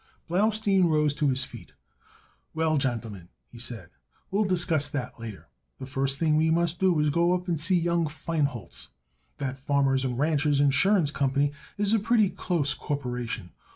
Blaustein rose to his feet. "Well, gentlemen," he said, "we'll discuss that later. The first thing we must do is to go up and see young Feinholz. That Farmers and Ranchers' Insurance Company is a pretty close corporation.